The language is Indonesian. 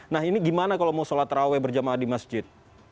nah ini gimana kalau mau sholat raweh berjamaah di masjid